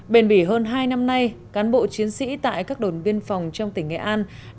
bền bỉ hơn hai năm nay cán bộ chiến sĩ tại các đồn viên phòng trong khu văn học nga